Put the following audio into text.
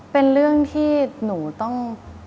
เป็นเรื่องที่หนูต้อง